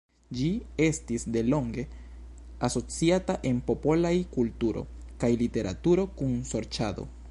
Ĝi estis delonge asociata en popolaj kulturo kaj literaturo kun sorĉado.